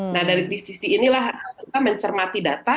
nah dari sisi inilah kita mencermati data